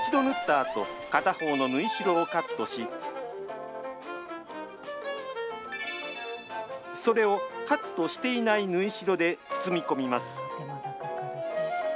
あと片方の縫い代をカットしそれをカットしていない縫い代で包み込みます。